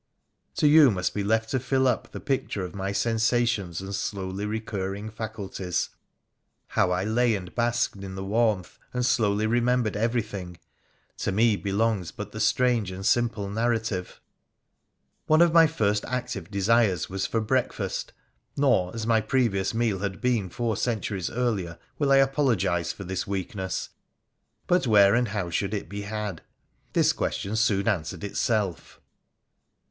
To you must be left to fill up the picture of my sensation3 and slowly recurring faculties. How I lay and basked in the warmth, and slowly remembered everything : to me belongg but the strange and simple narrative. One of my first active desires was for breakfast — nor, as my previous meal had been four centuries earlier, will I apologise for this weakness. But where and how should it be had ? This question soon answered itself.